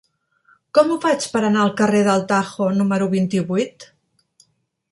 Com ho faig per anar al carrer del Tajo número vint-i-vuit?